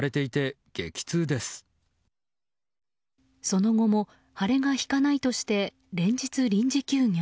その後も腫れが引かないとして連日、臨時休業。